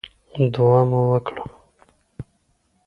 دعا مو وکړه.